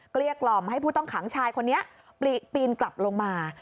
เกลี้กล่อมให้ผู้ต้องขังชายคนนี้ปีนกลับลงมา